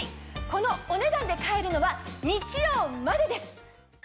このお値段で買えるのは日曜までです！